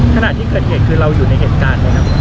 ขณะที่เกิดเหตุคือเราอยู่ในเหตุการณ์ไหมครับ